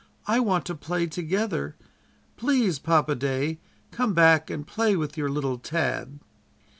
I want to play together. Please, Papa day, come back and play with your little Tad."